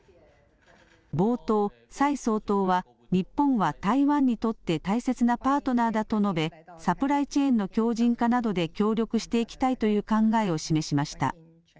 冒頭、蔡総統は日本は台湾にとって大切なパートナーだと述べ、サプライチェーンの強じん化などで協力していきたいという考えを示しました。